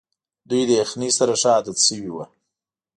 دوی له یخنۍ سره ښه عادت شوي وو.